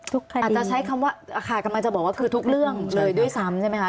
อาจจะใช้คำว่าค่ะกำลังจะบอกว่าคือทุกเรื่องเลยด้วยซ้ำใช่ไหมคะ